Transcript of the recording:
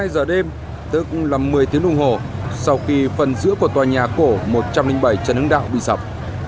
hai giờ đêm tức là một mươi tiếng đồng hồ sau khi phần giữa của tòa nhà cổ một trăm linh bảy trần hưng đạo bị sập